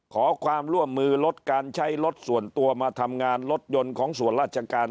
ขอความร่วมมือลดการใช้รถส่วนตัวมาทำงานรถยนต์ของส่วนราชการ